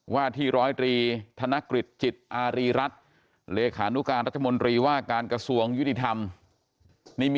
ว่าที่ร้อยตรีธนกฤษจิตอารีรัฐเลขานุการรัฐมนตรีว่าการกระทรวงยุติธรรม